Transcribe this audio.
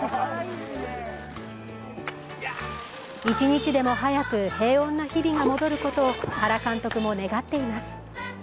一日でも早く平穏な日々が戻ることを原監督も願っています。